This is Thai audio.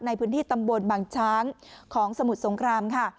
ในพื้นที่ตำบลบางช้างของสมุทรสงครามค่ะ